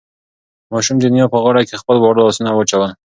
ماشوم د نیا په غاړه کې خپل واړه لاسونه واچول.